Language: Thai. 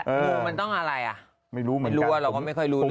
งูมันต้องอะไรอ่ะไม่รู้มันรู้ว่าเราก็ไม่ค่อยรู้เรื่อง